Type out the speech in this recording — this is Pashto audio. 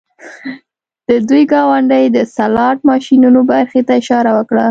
د دوی ګاونډۍ د سلاټ ماشینونو برخې ته اشاره وکړه